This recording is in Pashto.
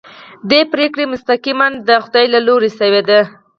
دې پرېکړه مستقیماً د خدای له لوري شوې ده.